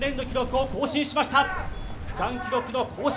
区間記録の更新